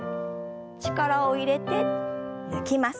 力を入れて抜きます。